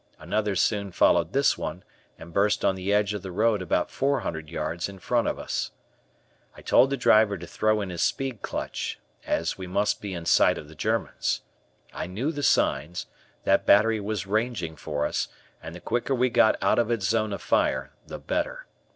Another soon followed this one, and burst on the edge of the road about four hundred yards in front of us. I told the driver to throw in his speed clutch, as we must be in sight of the Germans. I knew the signs; that battery was ranging for us, and the quicker we got out of its zone of fire the better.